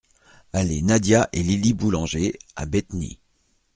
Allée Nadia et Lili Boulanger à Bétheny